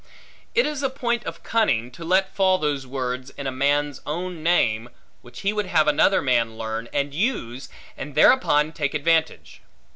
It is a point of cunning, to let fall those words in a man's own name, which he would have another man learn, and use, and thereupon take advantage.